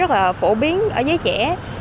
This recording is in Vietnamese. rất là phổ biến ở giới trẻ